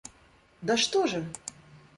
Да что же!